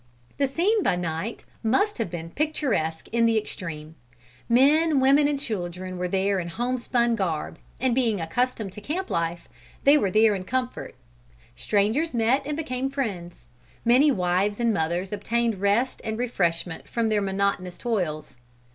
The scene, by night, must have been picturesque in the extreme. Men, women and children were there in homespun garb; and being accustomed to camp life, they were there in comfort. Strangers met and became friends. Many wives and mothers obtained rest and refreshment from their monotonous toils.